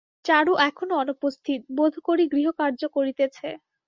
চারু এখনো অনুপস্থিত, বোধ করি গৃহকার্য করিতেছে।